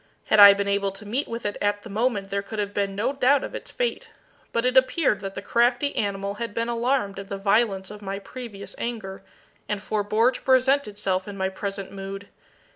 Had I been able to meet with it at the moment there could have been no doubt of its fate, but it appeared that the crafty animal had been alarmed at the violence of my previous anger, and forbore to present itself in my present mood.